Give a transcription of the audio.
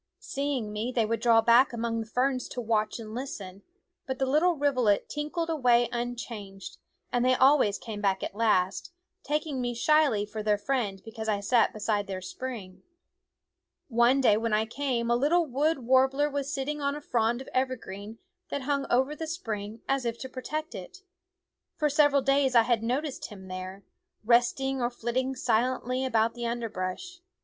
Seeing me they would draw back among the ferns to watch and listen ; but the little rivulet tinkled away unchanged, and they always came back at last, taking me shyly for their friend because I sat beside their spring. One day when I came a little wood war bler was sitting on a frond of evergreen that hung over the spring as if to protect it. For several days I had noticed him there, resting or flitting silently about the underbrush.